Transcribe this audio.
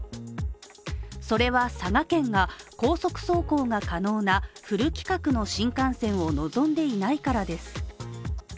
それは佐賀県が高速走行が可能なフル規格の新幹線を望んでいないからです。